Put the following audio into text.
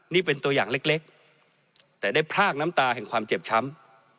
นี่เป็นตัวอย่างเล็กแต่ได้พรากน้ำตาแห่งความเจ็บช้ำ